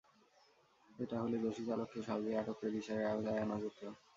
এটা হলে দোষী চালককে সহজেই আটক করে বিচারের আওতায় আনা যেত।